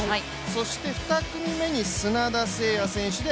そして２組目に砂田晟弥選手で